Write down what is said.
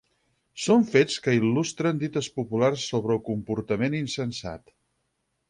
Són fets que il·lustren dites populars sobre el comportament insensat.